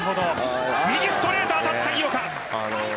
右ストレート当たった井岡。